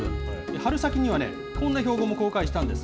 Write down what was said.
春先にはね、こんな標語も公開したんです。